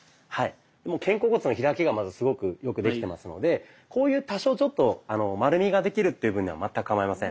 肩甲骨の開きがまずすごくよくできてますのでこういう多少ちょっと丸みができるという分には全くかまいません。